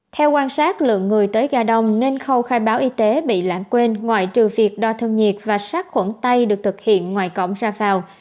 theo quan sát lượng người tới ga đông nên khâu khai báo y tế bị lãng quên ngoại trừ việc đo thân nhiệt và sát khuẩn tay được thực hiện ngoài cổng ra vào